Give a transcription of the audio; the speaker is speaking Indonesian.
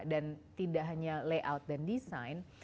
dan tidak hanya layout dan desain